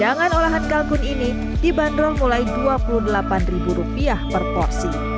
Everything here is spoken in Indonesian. cadangan olahan kalkun ini dibanderol mulai dua puluh delapan per porsi